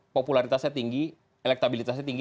popularitasnya tinggi elektabilitasnya tinggi